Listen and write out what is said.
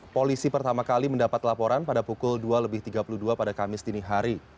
polisi pertama kali mendapat laporan pada pukul dua lebih tiga puluh dua pada kamis dini hari